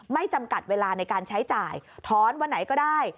จำกัดเวลาในการใช้จ่ายถอนวันไหนก็ได้